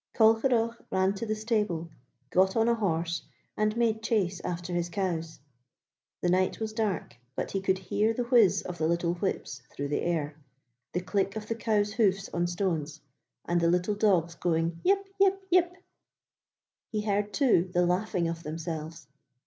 Colcheragh ran to the stable, got on a horse, and made chase after his cows. The night was dark, but he could hear the whizz of the little whips through the air, the click of the cows' hoofs on stones, and the little dogs going: 'Yep, yep, yep!' He heard, too, the laughing of Themselves.